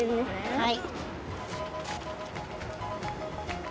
はい。